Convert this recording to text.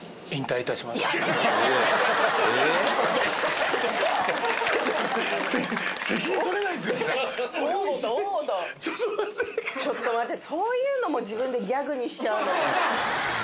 大ごと大ごとちょっと待ってそういうのも自分でギャグにしちゃうの？